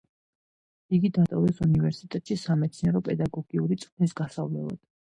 იგი დატოვეს უნივერსიტეტში სამეცნიერო-პედაგოგიური წვრთნის გასავლელად.